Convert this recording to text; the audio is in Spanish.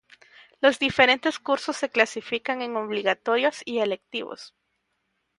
Los diferentes cursos se clasifican en obligatorios y electivos.